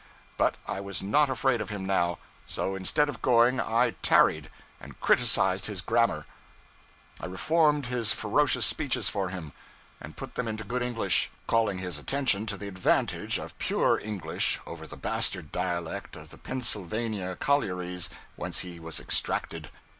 But I was not afraid of him now; so, instead of going, I tarried, and criticized his grammar; I reformed his ferocious speeches for him, and put them into good English, calling his attention to the advantage of pure English over the bastard dialect of the Pennsylvanian collieries whence he was extracted.